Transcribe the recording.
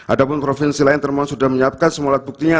ada pun provinsi lain termos sudah menyiapkan semula buktinya